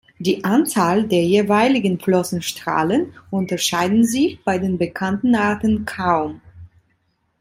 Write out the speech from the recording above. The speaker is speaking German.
Die Anzahl der jeweiligen Flossenstrahlen unterscheiden sich bei den bekannten Arten kaum.